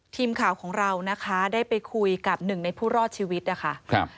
ทีมข่าวของเรานะคะได้ไปคุยกับหนึ่งในผู้รอดชีวิตนะคะครับ